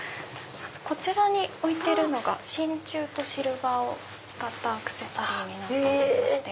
こちらに置いてるのが真ちゅうとシルバーを使ったアクセサリーになっておりまして。